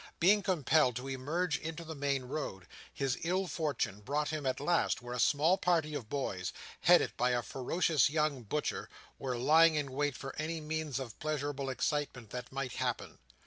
Being compelled to emerge into the main road, his ill fortune brought him at last where a small party of boys, headed by a ferocious young butcher, were lying in wait for any means of pleasurable excitement that might happen.